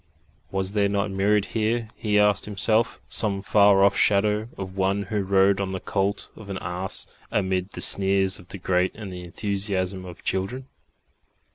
Was there not mirrored here, he asked himself, some far off shadow of One Who rode on the colt of an ass amid the sneers of the great and the enthusiasm of children?...